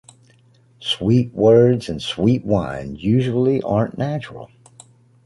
Sweet words and sweet wine usually aren’t natural.